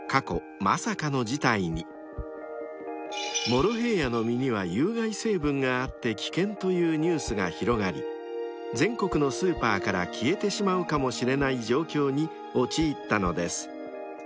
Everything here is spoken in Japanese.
［「モロヘイヤの実には有害成分があって危険」というニュースが広がり全国のスーパーから消えてしまうかもしれない状況に陥ったのです］